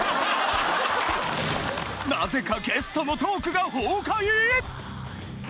なぜかゲストのトークが崩壊！？